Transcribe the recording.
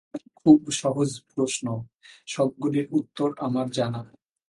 খুব সহজ প্রশ্ন, সবগুলির উত্তর আমার জানা।